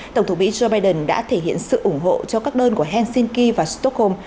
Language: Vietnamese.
tổng thống mỹ joe biden đã thể hiện sự ủng hộ cho các đơn của helsinki và stockholm